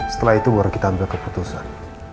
setelah itu baru kita ambil keputusan